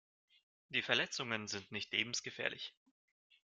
Die Verletzungen sind nicht lebensgefährlich.